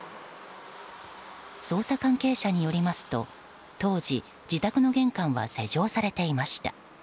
捜査関係者によりますと当時、自宅の玄関は施錠されていました。